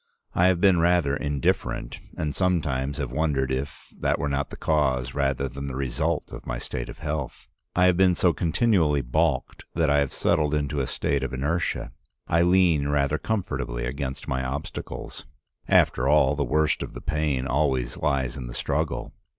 I have been rather indifferent, and sometimes have wondered if that were not the cause rather than the result of my state of health. I have been so continually balked that I have settled into a state of inertia. I lean rather comfortably against my obstacles. After all, the worst of the pain always lies in the struggle.